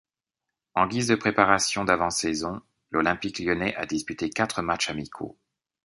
En guise de préparation d'avant saison, l'Olympique lyonnais a disputé quatre matches amicaux.